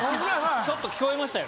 ちょっと聞こえましたよ。